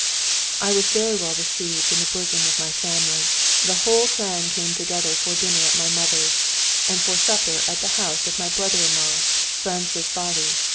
I was very well received in the bosom of my family; the whole clan came together for dinner at my mother's, and for supper at the house of my brother in law, Francis Vály.